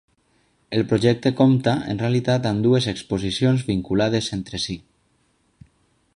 El projecte compta, en realitat, amb dues exposicions vinculades entre si.